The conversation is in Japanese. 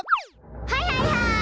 はいはいはい。